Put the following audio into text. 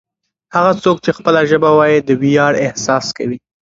هغه څوک چې خپله ژبه وايي د ویاړ احساس کوي.